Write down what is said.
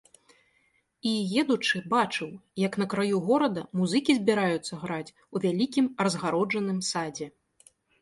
І, едучы, бачыў, як на краю горада музыкі збіраюцца граць у вялікім разгароджаным садзе.